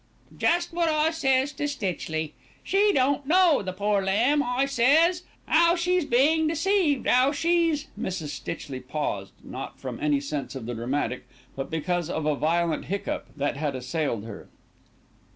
"Jest wot I says to Stitchley, 'She don't know, the poor lamb,' I says, ''ow she's bein' deceived, 'ow she's '" Mrs. Stitchley paused, not from any sense of the dramatic; but because of a violent hiccough that had assailed her.